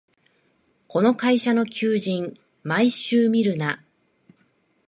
この会社の求人、毎週見るな